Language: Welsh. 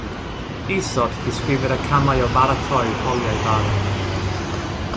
Isod disgrifir y camau o baratoi rholiau bara.